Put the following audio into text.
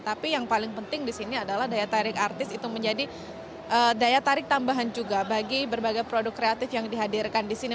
tapi yang paling penting di sini adalah daya tarik artis itu menjadi daya tarik tambahan juga bagi berbagai produk kreatif yang dihadirkan di sini